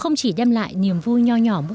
không chỉ đem lại niềm vui nho nhỏ mỗi người